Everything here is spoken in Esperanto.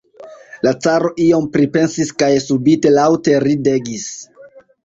La caro iom pripensis kaj subite laŭte ridegis.